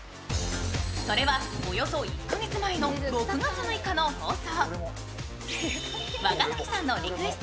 それはおよそ１か月前の６月３日の放送。